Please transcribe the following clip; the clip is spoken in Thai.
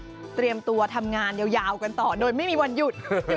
ส่วนสาเหตุที่นำม้ามาร่วมงานเนื่องจากลวงพ่อเล็กอดีตเจ้าอวาดวัดเกาะ